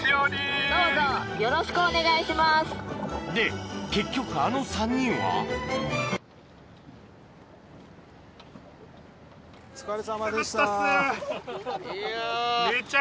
で結局あの３人はお疲れさまでした。